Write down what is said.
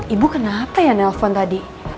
ibu kenapa ya nelpon tadi